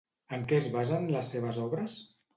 En què es basen les seves obres?